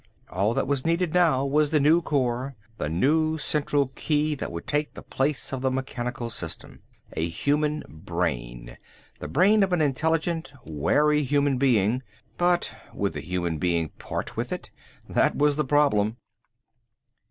All that was needed now was the new core, the new central key that would take the place of the mechanical system. A human brain, the brain of an intelligent, wary human being. But would the human being part with it? That was the problem.